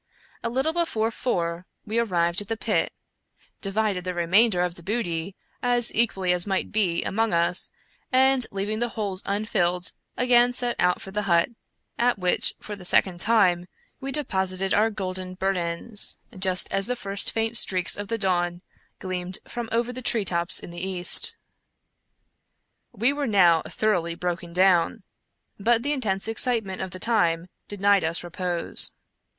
A Httle before four we arrived at the pit, divided the remainder of the booty, as equally as might be, among us, and, leaving the holes unfilled, again set out for the hut, at which, for the second time, we deposited our golden burdens, just as the first faint streaks of the dawn gleamed from over the treetops in the east. We were now thoroughly broken down ; but the intense excitement of the time denied us repose.